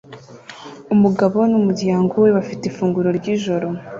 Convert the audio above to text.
Umugabo n'umuryango we bafite ifunguro ryijoro